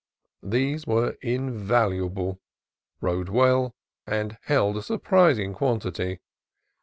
These were invaluable, rode well, and held a sur prising quantity.